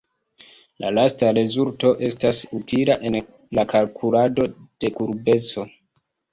La lasta rezulto estas utila en la kalkulado de kurbeco.